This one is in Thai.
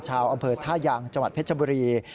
ชาวอำเภอท่ายางจังหวัดเพชรบุรี